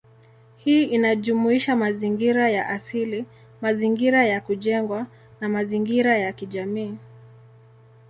Hii inajumuisha mazingira ya asili, mazingira ya kujengwa, na mazingira ya kijamii.